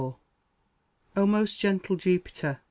"O most gentle Jupiter!